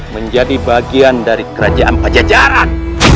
menjadi bagian dari kerajaan pajajaran